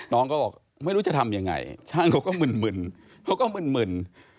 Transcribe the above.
น้องก็บอกไม่รู้จะทำยังไงช่างเขาก็หมื่น